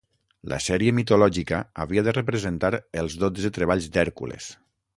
La sèrie mitològica havia de representar Els dotze treballs d'Hèrcules.